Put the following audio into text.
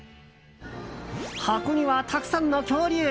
箱には、たくさんの恐竜。